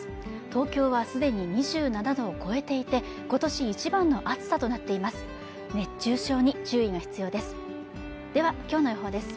東京はすでに２７度を超えていてことし一番の暑さとなっています